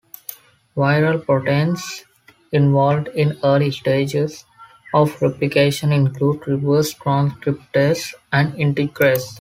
Viral proteins involved in early stages of replication include reverse transcriptase and integrase.